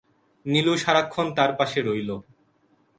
নীলু সারাক্ষণ তার পাশে রইল।